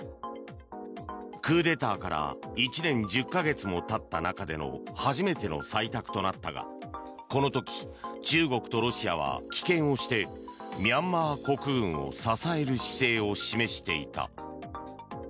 クーデターから１年１０か月も経った中での初めての採択となったがこの時、中国とロシアは棄権をしてミャンマー国軍を支える姿勢を示していた。